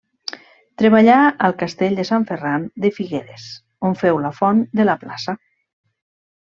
Treballà al Castell de Sant Ferran de Figueres, on féu la font de la plaça.